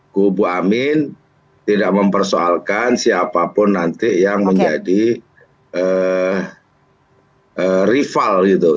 kubu amin tidak mempersoalkan siapapun nanti yang menjadi rival gitu